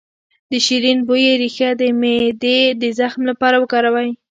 د شیرین بویې ریښه د معدې د زخم لپاره وکاروئ